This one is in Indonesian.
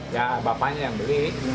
ya bapaknya yang beli